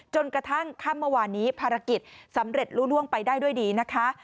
จนกระทั่งค่ำเมื่อวานนี้ภารกิจสำเร็จรู้ล่วงไปได้ด้วยดีนะคะ